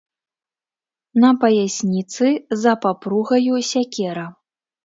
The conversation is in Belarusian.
На паясніцы, за папругаю, сякера.